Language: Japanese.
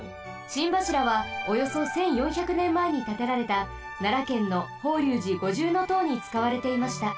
心柱はおよそ１４００ねんまえにたてられたならけんの法隆寺五重塔につかわれていました。